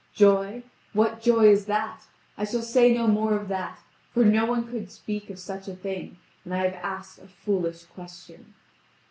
Joy? What joy is that? I shall say no more of that, for no one could speak of such a thing; and I have asked a foolish question.